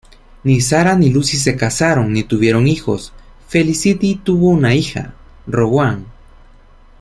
Ni Sarah ni Lucy se casaron ni tuvieron hijos; Felicity tuvo una hija, Rowan.